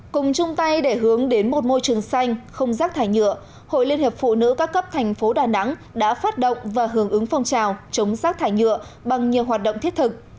cùng chung tay để hướng đến một môi trường xanh không rác thải nhựa hội liên hiệp phụ nữ các cấp thành phố đà nẵng đã phát động và hưởng ứng phong trào chống rác thải nhựa bằng nhiều hoạt động thiết thực